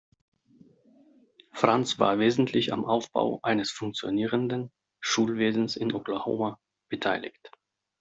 Frantz war wesentlich am Aufbau eines funktionierenden Schulwesens in Oklahoma beteiligt.